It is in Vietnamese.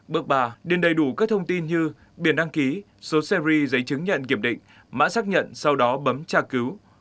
bước ba điền đầy đủ các thông tin như biển đăng ký số series giấy chứng nhận kiểm định mã xác nhận sau đó bấm tra cứu